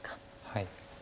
はい。